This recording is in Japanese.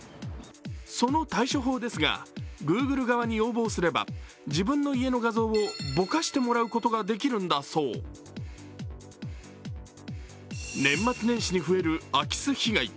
その対処法ですが、グーグル側に要望すれば、自分の家の画像をボカしてもらうことができるんだそう。年末年始に増える空き巣被害。